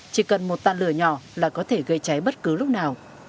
chỉ cần một tàn lửa nhỏ là có thể gây cháy bất cứ lúc nào